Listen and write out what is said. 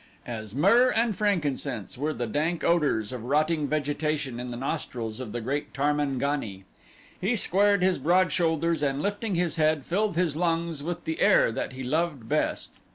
As myrrh and frankincense were the dank odors of rotting vegetation in the nostrils of the great Tarmangani. He squared his broad shoulders and lifting his head filled his lungs with the air that he loved best.